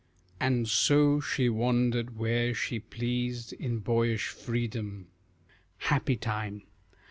And so she wandered where she pleased In boyish freedom. Happy time!